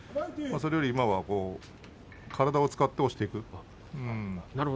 それより今は体を使って押していく。